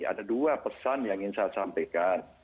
ada dua pesan yang ingin saya sampaikan